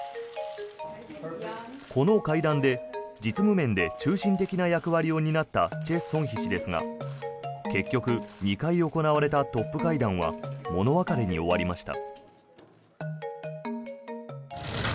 この会談で実務面で中心的な役割を担ったチェ・ソンヒ氏ですが結局、２回行われたトップ会談は物別れに終わりました。